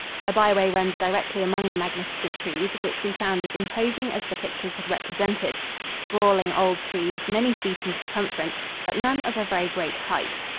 A byway runs directly among the magnificent trees, which we found as imposing as the pictures had represented sprawling old trees, many feet in circumference, but none of very great height.